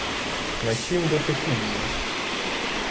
На чім би ти хліб їв?